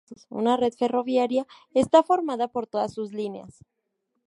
Una red ferroviaria está formada por todas sus líneas.